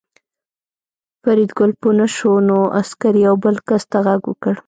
فریدګل پوه نه شو نو عسکر یو بل کس ته غږ وکړ